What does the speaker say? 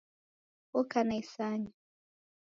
Oka na isanya.